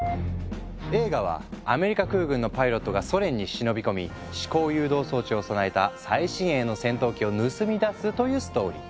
映画はアメリカ空軍のパイロットがソ連に忍び込み思考誘導装置を備えた最新鋭の戦闘機を盗み出すというストーリー。